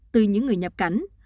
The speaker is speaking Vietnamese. từ những người nhập cảnh